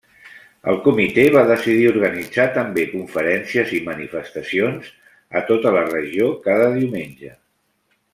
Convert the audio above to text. El Comitè va decidir organitzar també conferències i manifestacions a tota la regió cada diumenge.